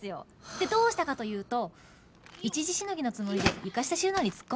でどうしたかというと一時しのぎのつもりで床下収納に突っ込んだんですね。